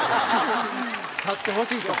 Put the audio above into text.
買ってほしいと。